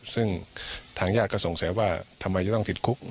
ซึ่งทางญาติก็สงสัยว่าทำไมจะต้องติดคุก